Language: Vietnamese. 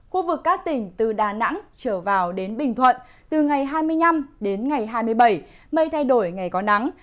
khu vực các tỉnh từ đà nẵng trở vào đến bình thuận từ ngày hai mươi năm đến ngày hai mươi bảy mây thay đổi ngày có nắng